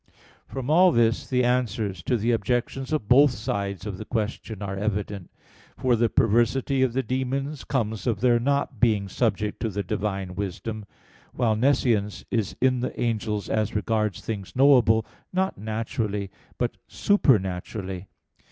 From all this the answers to the objections of both sides of the question are evident. For the perversity of the demons comes of their not being subject to the Divine wisdom; while nescience is in the angels as regards things knowable, not naturally but supernaturally.